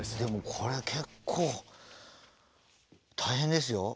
これ結構大変ですよ。